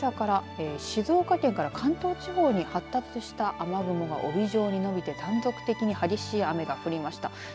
けさから静岡県から関東地方に発達した雨雲が帯状に伸びて断続的に激しい雨が降りました。